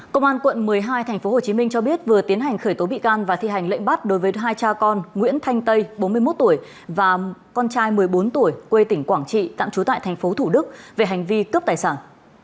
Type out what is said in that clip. công an quận một mươi hai tp hcm cho biết vừa tiến hành khởi tố bị can và thi hành lệnh bắt đối với hai cha con nguyễn thanh tây bốn mươi một tuổi và con trai một mươi bốn tuổi quê tỉnh quảng trị tạm trú tại tp thủ đức về hành vi cướp tài sản